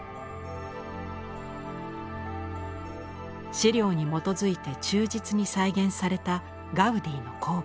資料に基づいて忠実に再現されたガウディの工房。